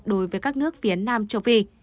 đối với các nước phía nam châu phi